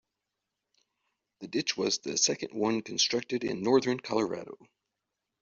The ditch was the second one constructed in northern Colorado.